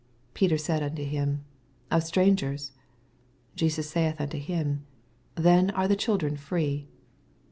26 Peter saith unto him, Of stran gers. Jesus saith unto him, Then are the children free.